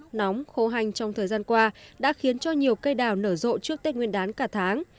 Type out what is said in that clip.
thời tiết liên tục ấm nóng khô hành trong thời gian qua đã khiến cho nhiều cây đào nở rộ trước tết nguyên đán cả tháng